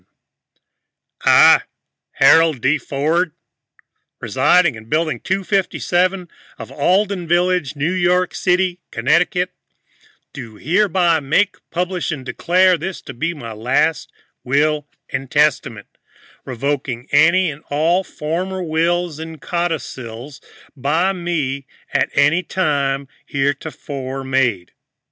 "I, Harold D. Ford, residing in Building 257 of Alden Village, New York City, Connecticut, do hereby make, publish and declare this to be my last Will and Testament, revoking any and all former wills and codicils by me at any time heretofore made."